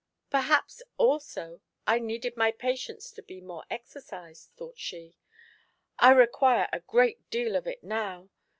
"Perhaps, also, I needed my patience to be more exercised,*' thought she ;" I require a great deal of it now.